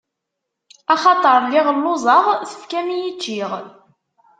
Axaṭer lliɣ lluẓeɣ, tefkam-iyi ččiɣ.